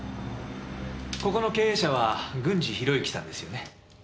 ここの経営者は軍司弘之さんですよね？